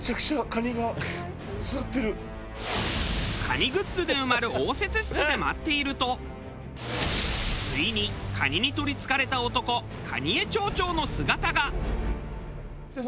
蟹グッズで埋まる応接室で待っているとついに蟹に取りつかれた男蟹江町長の姿が。